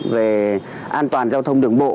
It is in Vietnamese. về an toàn giao thông đường bộ